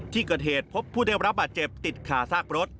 ที่เกิดเหตุพบผู้ได้รับบาดเจ็บติดขาซากรถ